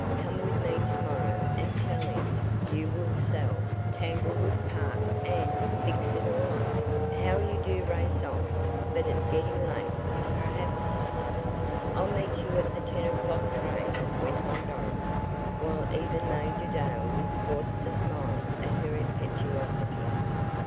Come with me to morrow and tell him you will sell Tanglewood Park and fix it all up " "How you do race on! But it's getting late. Perhaps " "I'll meet you at the ten o'clock train," went on Dorothy, while even Major Dale was forced to smile at her impetuosity.